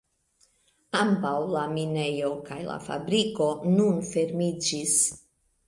Ambaŭ la minejo kaj la fabriko nun fermiĝis.